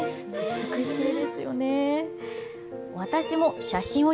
美しいですよね。